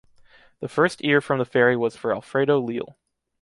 The first ear from the fairy was for Alfredo Leal.